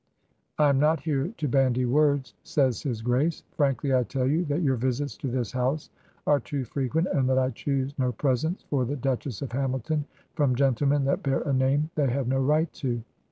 'I am not here to bandy words,' says his Grace: 'frankly I tell you that your visits to this house are too frequent, and that I choose no presents for the Duchess of Hamilton from gentlemen that bear a name they have no right to.'